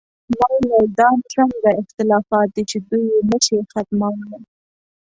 ما وویل: دا نو څنګه اختلافات دي چې دوی یې نه شي ختمولی؟